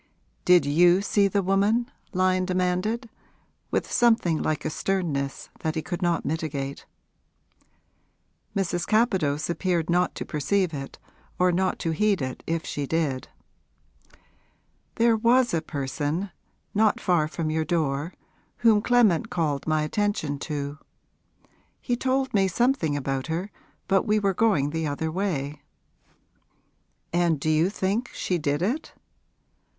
'Did you see the woman?' Lyon demanded, with something like a sternness that he could not mitigate. Mrs. Capadose appeared not to perceive it or not to heed it if she did. 'There was a person, not far from your door, whom Clement called my attention to. He told me something about her but we were going the other way.' 'And do you think she did it?'